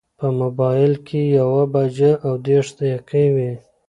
په مبایل کې یوه بجه او دېرش دقیقې وې.